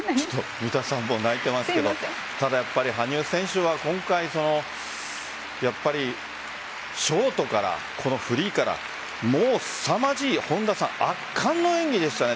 三田さんも泣いていますけれど羽生選手は今回やっぱりショートから、フリーからもうすさまじい圧巻の演技でしたね。